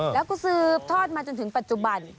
แล้วก็สืบทอดมาจนถึงปัจจุบัน